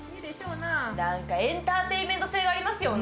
なんかエンターテインメント性がありますよね。